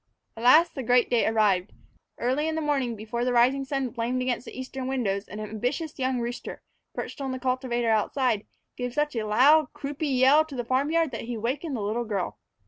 At last the great day arrived. Early in the morning, before the rising sun flamed against the eastern windows, an ambitious young rooster, perched on the cultivator outside, gave such a loud, croupy call to the farm yard that he awakened the little girl.